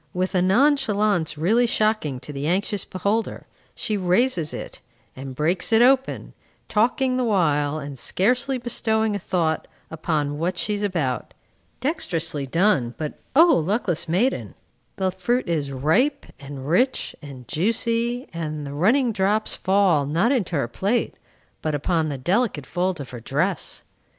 With a nonchalance really shocking to the anxious beholder, she raises it, and breaks it open, talking the while, and scarcely bestowing a thought upon what she is about. Dexterously done; but O luckless maiden! the fruit is ripe, and rich, and juicy, and the running drops fall, not into her plate, but upon the delicate folds of her dress.